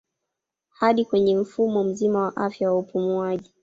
Hadi kwenye mfumo mzima wa afya wa upumuaji